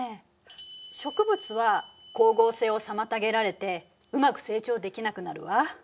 植物は光合成を妨げられてうまく成長できなくなるわ。